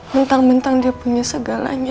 mentang mentang dia punya segalanya